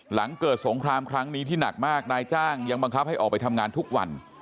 หลังเกิดสงครามครั้งนี้ที่หนักมากนายจ้างยังบังคับให้ออกไปทำงานทุกวัน